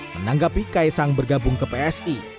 menanggapi kaisang bergabung ke psi